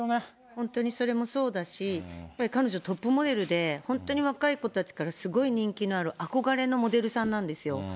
本当にそれもそうだし、やっぱり彼女、トップモデルで、本当に若い子たちからすごい人気のある憧れのモデルさんなんですよ。